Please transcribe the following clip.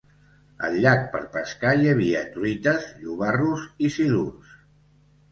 Al llac per pescar hi havia truites, llobarros i silurs.